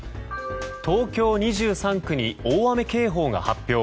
東京２３区に大雨警報が発表。